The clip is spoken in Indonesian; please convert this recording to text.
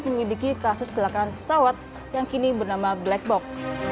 dan menyelidiki kasus kecelakaan pesawat yang kini bernama black box